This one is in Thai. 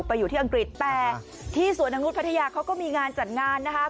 อยู่ที่อังกฤษแต่ที่สวนองุธพัทยาเขาก็มีงานจัดงานนะคะ